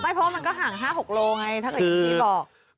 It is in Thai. ไม่เพราะมันก็ห่าง๕๖กิโลเมตรไงถ้าเกิดอย่างนี้บอก